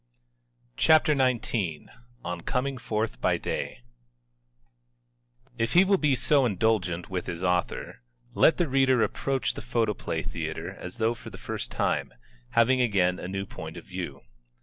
CHAPTER XIX ON COMING FORTH BY DAY If he will be so indulgent with his author, let the reader approach the photoplay theatre as though for the first time, having again a new point of view.